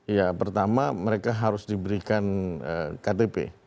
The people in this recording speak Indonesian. ya pertama mereka harus diberikan ktp